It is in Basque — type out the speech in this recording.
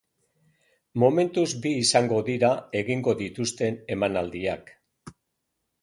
Momentuz bi izango dira egingo dituzten emanaldiak.